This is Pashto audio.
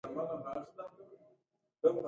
خر وتښتید او ځنګل ته لاړ.